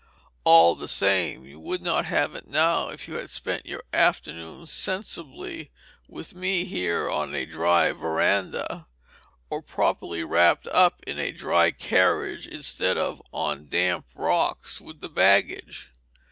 "All the same, you wouldn't have it now if you had spent your afternoons sensibly with me here on a dry veranda, or properly wrapped up in a dry carriage, instead of on damp rocks, with that baggage.